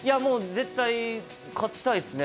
絶対、勝ちたいですね。